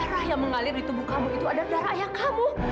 darah yang mengalir di tubuh kamu itu adalah rakyat kamu